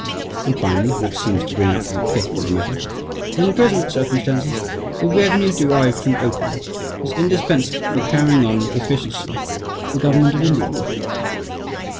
And, finally (which seems to bring out the pith of the matter), "In the present circumstances the revenue derived from opium is indispensable for carrying on with efficiency the government of India."